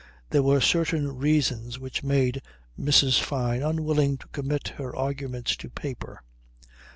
There were certain reasons which made Mrs. Fyne unwilling to commit her arguments to paper.